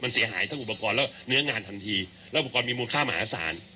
มันเสียหายทั้งอุปกรณ์และเนื้องานทันทีแล้วอุปกรณ์มีมูลค่ามหาศาล